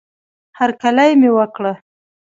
هرکلی مې وکړه